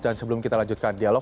dan sebelum kita lanjutkan dialog